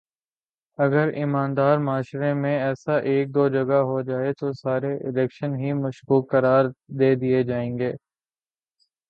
اگر ایماندار معاشرے میں ایسا ایک دو جگہ ہو جائے تو سارے الیکشن ہی مشکوک قرار دے دیئے جائیں گے